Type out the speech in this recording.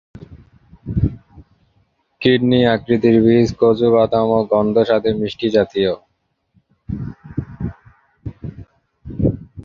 Kidney আকৃতির বীজ কাজু বাদাম গন্ধ ও স্বাদে মিষ্টি-জাতীয়।